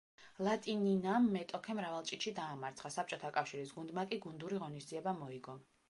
ლატინინამ მეტოქე მრავალჭიდში დაამარცხა, საბჭოთა კავშირის გუნდმა კი გუნდური ღონისძიება მოიგო.